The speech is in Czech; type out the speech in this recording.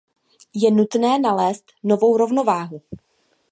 Je nutné nalézt novou rovnováhu.